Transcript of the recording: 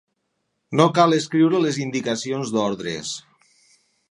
No cal escriure les indicacions d'ordres.